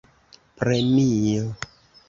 premio